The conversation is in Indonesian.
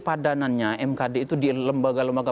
padanannya mkd itu di lembaga lembaga